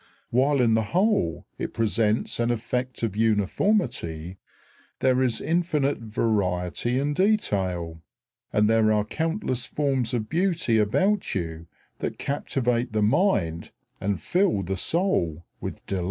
While in the whole it presents an effect of uniformity, there is infinite variety in detail, and there are countless forms of beauty about you that captivate the mind and fill the soul with delight.